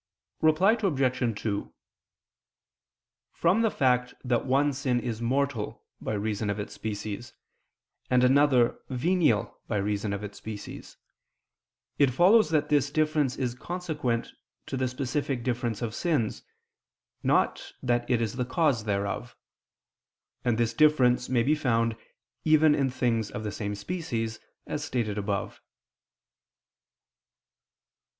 Reply Obj. 2: From the fact that one sin is mortal by reason of its species, and another venial by reason of its species, it follows that this difference is consequent to the specific difference of sins, not that it is the cause thereof. And this difference may be found even in things of the same species, as stated above.